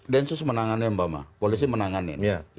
densus menangani mbama polisi menangani